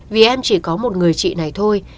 vì em chỉ có một người chị này thôi